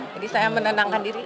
jadi saya menenangkan diri